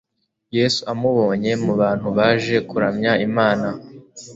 Yesu amubonye mu bantu baje kuramya Imana